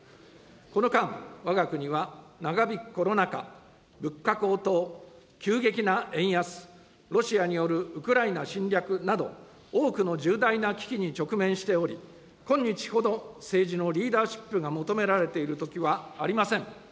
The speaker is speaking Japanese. この間、わが国は長引くコロナ禍、物価高騰、急激な円安、ロシアによるウクライナ侵略など、多くの重大な危機に直面しており、今日ほど政治のリーダーシップが求められているときはありません。